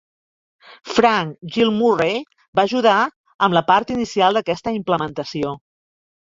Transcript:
Frank Gilmurray va ajudar amb la part inicial d'aquesta implementació.